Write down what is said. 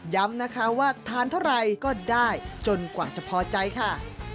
ย้ำนะคะว่าทานเท่าไรก็ได้จนกว่าจะพอใจค่ะ